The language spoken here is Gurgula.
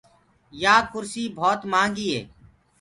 يآ ڪُرسي ڀوت مهآنگيٚ هي۔